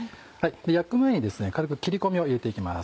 焼く前にですね軽く切り込みを入れていきます。